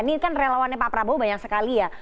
ini kan relawannya pak prabowo banyak sekali ya